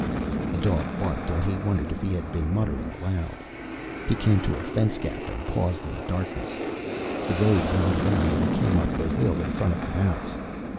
A dog barked, and he wondered if he had been muttering aloud. He came to a fence gap and paused in the darkness. The road wound around and came up the hill in front of the house.